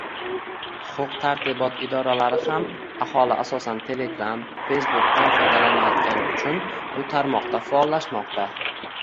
Huquq-tartibot idoralari ham aholi asosan telegram, feysbukdan foydalanayotgani uchun bu tarmoqda faollashmoqda.